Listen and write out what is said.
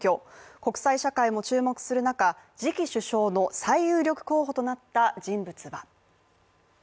国際社会も注目する中、次期首相の最有力候補となった人物は？